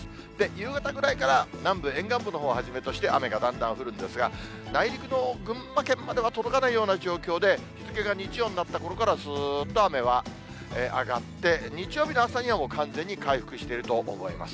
夕方ぐらいから南部沿岸部のほうをはじめとして、雨がだんだん降るんですが、内陸の群馬県までは届かないような状況で、日付が日曜になったころから、すーっと雨は上がって、日曜日の朝にはもう完全に回復してると思います。